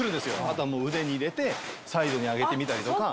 あとは腕に入れてサイドに上げてみたりとか。